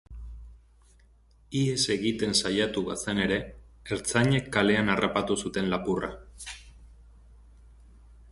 Ihes egiten saiatu bazen ere, ertzainek kalean harrapatu zuten lapurra.